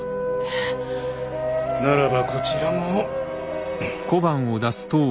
ならばこちらも。